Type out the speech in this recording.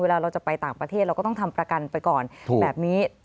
เราจะไปต่างประเทศเราก็ต้องทำประกันไปก่อนแบบนี้